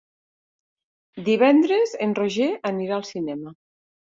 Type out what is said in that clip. Divendres en Roger anirà al cinema.